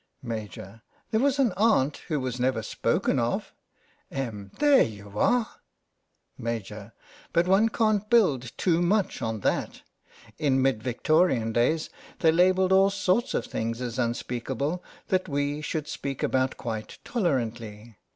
MaJ. : There was an aunt who was never spoken of Em. : There you are ! Maj\: But one can't build too much on that. In mid Victorian days they labelled all sorts of things as unspeakable that we should speak about quite tolerantly.